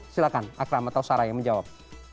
silakan akram atau sarah yang menjawab